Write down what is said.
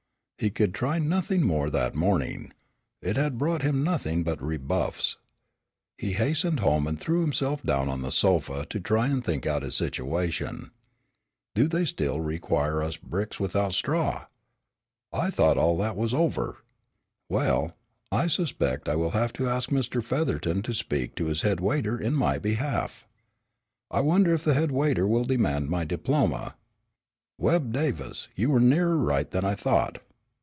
He could try nothing more that morning. It had brought him nothing but rebuffs. He hastened home and threw himself down on the sofa to try and think out his situation. "Do they still require of us bricks without straw? I thought all that was over. Well, I suspect that I will have to ask Mr. Featherton to speak to his head waiter in my behalf. I wonder if the head waiter will demand my diploma. Webb Davis, you were nearer right than I thought."